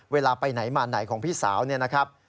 เวลาไปไหนมาไหนของพี่สาวเนี่ยนะครับ